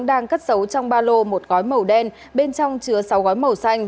đang cất giấu trong ba lô một gói màu đen bên trong chứa sáu gói màu xanh